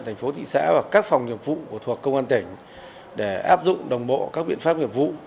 thành phố thị xã và các phòng nhiệm vụ thuộc công an tỉnh để áp dụng đồng bộ các biện pháp nghiệp vụ